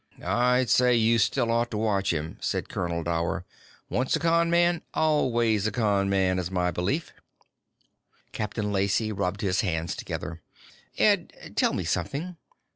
"I'd say you still ought to watch him," said Colonel Dower. "Once a con man, always a con man, is my belief." Captain Lacey rubbed his hands together. "Ed, tell me something.